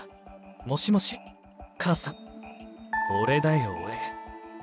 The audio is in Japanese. もしもし、母さん、俺だよ、俺。